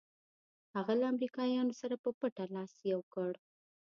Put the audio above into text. هغه له امریکایانو سره په پټه لاس یو کړ.